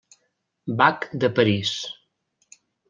Bach de París.